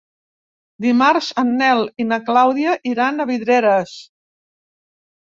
Dimarts en Nel i na Clàudia iran a Vidreres.